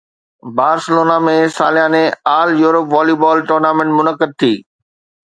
Barcelona ۾ سالياني all Europe volleyball tournament منعقد ٿي